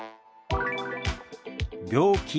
「病気」。